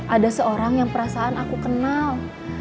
ada seorang yang perasaan aku kenal